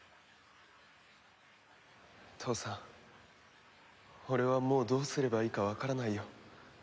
父さん俺はもうどうすればいいかわからないよ。